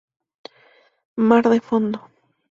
Mar de Fondo".